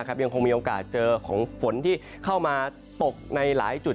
ยังคงมีโอกาสเจอของฝนที่เข้ามาตกในหลายจุด